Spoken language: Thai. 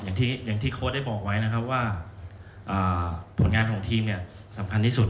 อย่างที่โค้ดได้บอกไว้นะครับว่าผลงานของทีมเนี่ยสำคัญที่สุด